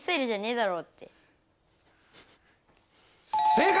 正解！